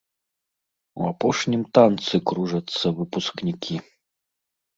У апошнім танцы кружацца выпускнікі.